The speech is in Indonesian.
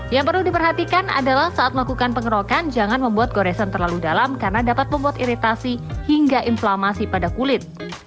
yang perlu diperhatikan adalah saat melakukan pengerokan jangan membuat goresan terlalu dalam karena dapat membuat iritasi hingga inflamasi pada kulit